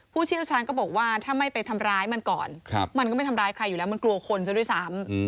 เชี่ยวชาญก็บอกว่าถ้าไม่ไปทำร้ายมันก่อนมันก็ไม่ทำร้ายใครอยู่แล้วมันกลัวคนซะด้วยซ้ำ